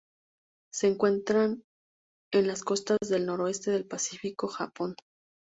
Se encuentra en las costas del noroeste del Pacífico: Japón.